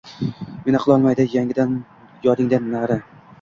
Meni qilolmadi yodingdan nari.